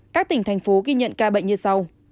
các tỉnh thành phố ghi nhận ca bệnh như sau